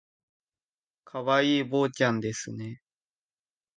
可愛い坊ちゃんですね